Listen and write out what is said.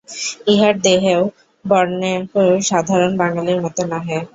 ইহার দেহের বর্ণও সাধারণ বাঙালির মতো নহে।